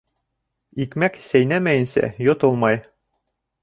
Икмәк сәйнәмәйенсә йотолмай.